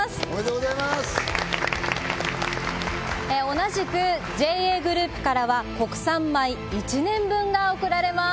同じくＪＡグループからは国産米１年分が贈られます。